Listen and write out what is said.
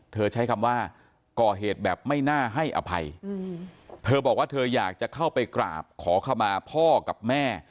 ใช้คำว่าก่อเหตุแบบไม่น่าให้อภัยเธอบอกว่าเธออยากจะเข้าไปกราบขอขมาพ่อกับแม่